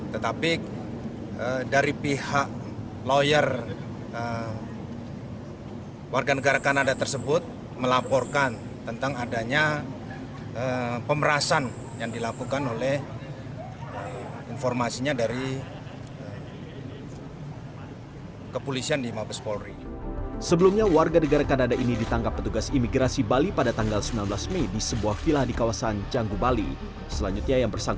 tetapi dari pihak lawyer warga negara kanada tersebut melaporkan tentang adanya pemerasan yang dilakukan oleh informasinya dari anggota